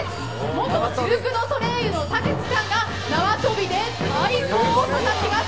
元シルクドソレイユの田口さんが縄跳びで太鼓をたたきます。